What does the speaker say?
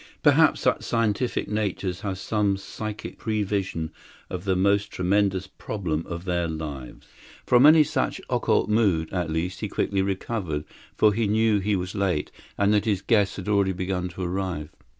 Perhaps such scientific natures have some psychic prevision of the most tremendous problem of their lives. From any such occult mood, at least, he quickly recovered, for he knew he was late, and that his guests had already begun to arrive.